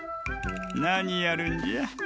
なにやるんじゃ？